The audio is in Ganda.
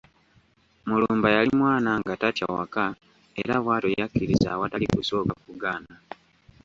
Mulumba yali mwana nga tatya waka era bwatyo yakkiriza awatali kusooka kugaana.